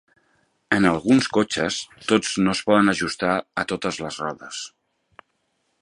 En alguns cotxes, tots no es poden ajustar a totes les rodes.